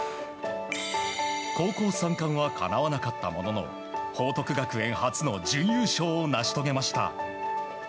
高校３冠はかなわなかったものの報徳学園初の準優勝を成し遂げました。